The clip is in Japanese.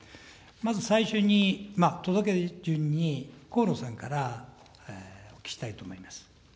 まず最初に、届け出順に河野さんからお聞きしたいと思います。